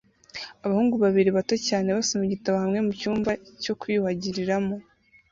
Abahungu babiri bato cyane basoma igitabo hamwe mucyumba cyo kwiyuhagiriramo